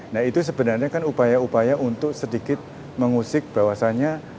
nah itu sebenarnya kan upaya upaya untuk sedikit mengusik bahwasannya